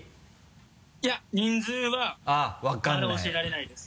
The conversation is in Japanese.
いや人数はまだ教えられないです。